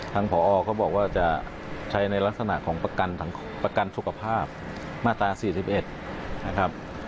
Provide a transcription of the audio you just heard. ผอก็บอกว่าจะใช้ในลักษณะของประกันสุขภาพมาตรา๔๑นะครับ